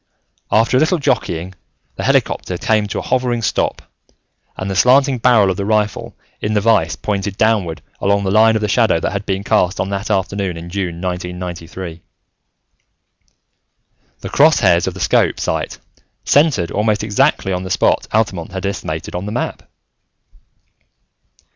After a little jockeying, the helicopter came to a hovering stop, and the slanting barrel of the rifle in the vise pointed downward along the line of the shadow that had been cast on that afternoon in June, 1993. The cross hairs of the scope sight centered almost exactly on the spot Altamont had estimated on the map.